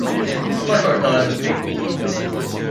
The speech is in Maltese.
Imma xorta eletti.